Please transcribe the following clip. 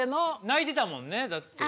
泣いてたもんねだって。